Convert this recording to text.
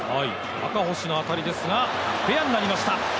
赤星の当たりですが、フェアになりました。